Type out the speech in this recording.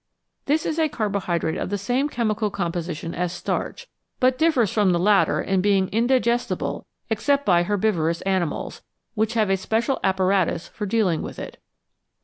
This is a carbohydrate of the same chemical composition as starch, but differs from the latter in being indigestible except by herbivorous animals, which have a special apparatus for dealing with it.